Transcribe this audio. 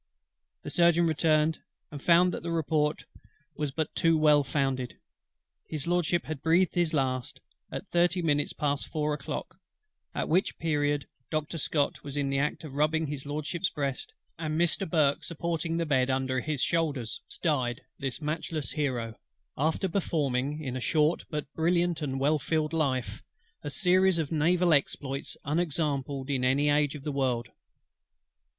The Surgeon returned, and found that the report was but too well founded: HIS LORDSHIP had breathed his last, at thirty minutes past four o'clock; at which period Doctor SCOTT was in the act of rubbing HIS LORDSHIP'S breast, and Mr. BURKE supporting the bed under his shoulders, Thus died this matchless Hero, after performing, in a short but brilliant and well filled life, a series of naval exploits unexampled in any age of the world.